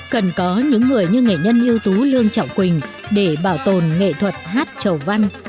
cần có những người như nghệ nhân yếu tố lương trọng quỳnh để bảo tồn nghệ thuật hát trầu văn